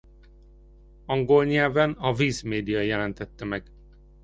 Angol nyelven a Viz Media jelentette meg.